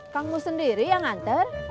kang ujang sendiri yang ngantar